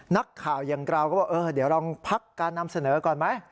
นักข่ายังกราวก็ว่าเดี๋ยวเราลองพักการนำเสนอก่อนไหม